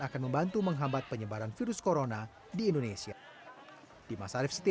akan membantu menghambat penyebaran virus corona di indonesia